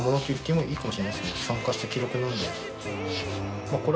参加した記録なんで。